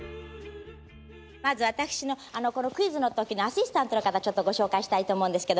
まず私のこのクイズの時のアシスタントの方ちょっとご紹介したいと思うんですけど